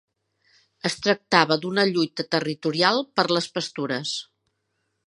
Es tractava d'una lluita territorial per les pastures.